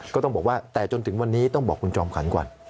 ก็ต้องบอกว่าแต่จนถึงวันนี้ต้องบอกคุณจอมขวัญก่อน